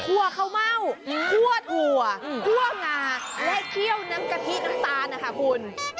ข้าวเม่าคั่วถั่วคั่วงาและเคี่ยวน้ำกะทิน้ำตาลนะคะคุณ